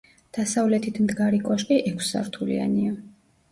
დასავლეთით მდგარი კოშკი ექვსსართულიანია.